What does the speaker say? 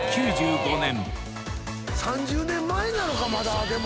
３０年前なのかまだでも。